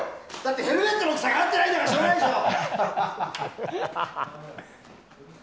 ヘルメットの大きさ合ってないんだからしょうがないでしょ！